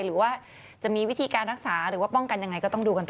หรือว่าจะมีวิธีการรักษาหรือว่าป้องกันยังไงก็ต้องดูกันต่อ